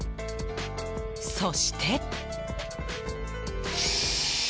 そして。